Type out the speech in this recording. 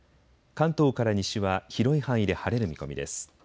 関東から西は広い範囲で晴れる見込みです。